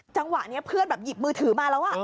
จังหวะนี้เพื่อนแบบหยิบมือถือมาแล้ว